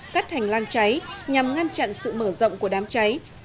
cắt hành lang cháy nhằm ngăn chặn sự mở rộng của đám cháy